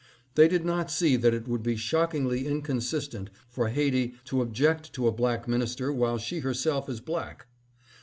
They did not see that it would be shockingly incon sistent for Haiti to object to a black minister while she herself is black.